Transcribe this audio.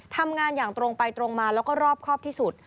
ทำงานอย่างตรงไปตรงมาแล้วก็รอบครอบที่สุด